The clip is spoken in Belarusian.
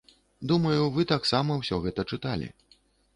Думаю, вы таксама ўсё гэта чыталі.